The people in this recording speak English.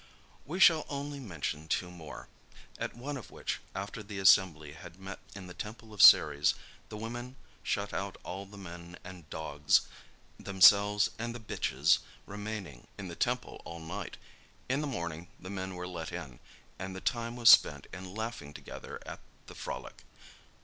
We shall only mention two more; at one of which, after the assembly had met in the temple of Ceres, the women shut out all the men and dogs, themselves and the bitches remaining in the temple all night; in the morning, the men were let in, and the time was spent in laughing together at the frolic.